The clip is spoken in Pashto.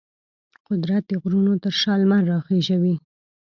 قدرت د غرونو تر شا لمر راخیژوي.